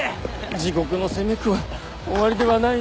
地獄の責め苦は終わりではないのですね。